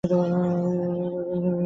এসব রিওয়ায়তই তাদের এরূপ বিশ্বাসের ভিত্তি।